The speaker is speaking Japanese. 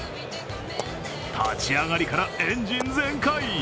立ち上がりからエンジン全開。